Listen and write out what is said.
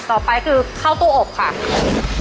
ต่อไปคือเข้าตู้อบค่ะ